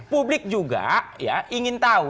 publik juga ingin tahu